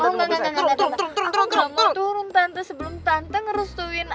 aku mau turun tante sebelum tante ngerustuin